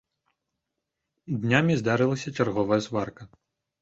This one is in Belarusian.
Днямі здарылася чарговая сварка.